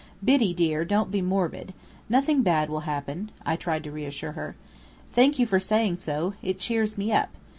"Biddy, dear, don't be morbid. Nothing bad will happen," I tried to reassure her. "Thank you for saying so. It cheers me up.